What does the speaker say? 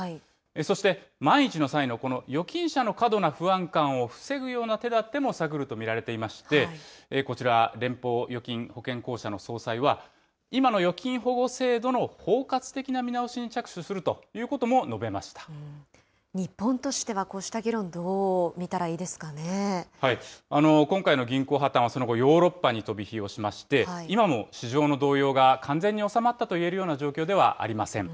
そして、万一の際の、この預金者の過度な不安感を防ぐような手立ても探ると見られていて、こちら、連邦預金保険公社の総裁は、今の預金保護制度の包括的な見直しに日本としてはこうした議論、今回の銀行破綻は、その後、ヨーロッパに飛び火をしまして、今も市場の動揺が完全に収まったと言えるような状況ではありません。